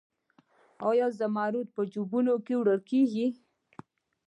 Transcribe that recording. آیا زمرد په جیبونو کې وړل کیږي؟